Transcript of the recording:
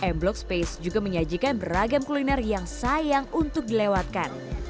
m block space juga menyajikan beragam kuliner yang sayang untuk dilewatkan